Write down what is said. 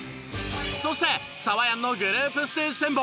そしてサワヤンのグループステージ展望。